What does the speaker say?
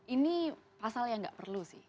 ini pasal yang nggak perlu sih